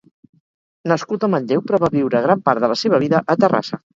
Nascut a Manlleu però va viure gran part de la seva vida a Terrassa.